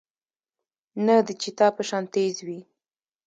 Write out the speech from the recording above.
نۀ د چيتا پۀ شان تېز وي